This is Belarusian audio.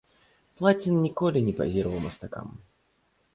Плацін ніколі не пазіраваў мастакам.